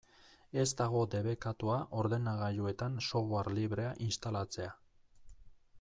Ez dago debekatua ordenagailuetan software librea instalatzea.